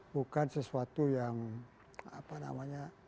bukan sesuatu yang apa namanya